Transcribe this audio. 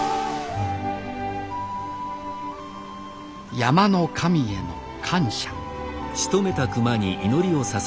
山の神への感謝